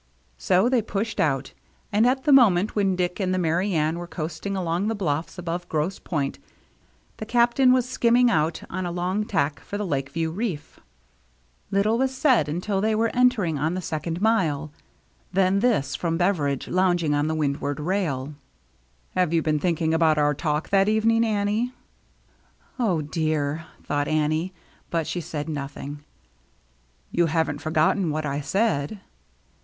So they pushed out ; and at the moment when Dick and the Merry Anne were coasting along the bluffs above Grosse Pointe the Cap tain was skimming out on a long tack for the Lake View reef. DRAWING TOGETHER 175 Little was said until they were entering on the second mile, then this from Beveridge, lounging on the windward rail, " Have you been thinking about our talk that evening, Annie?" " Oh, dear !" thought she ; but she said nothing. " You haven't forgotten what I said